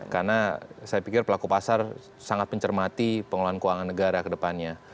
karena saya pikir pelaku pasar sangat mencermati pengelolaan keuangan negara ke depannya